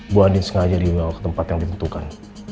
bu adin sengaja dibawa ke tempat yang ditentukan